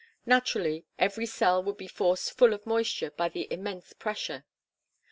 Naturally, every cell would be forced full of moisture by the immense pressure.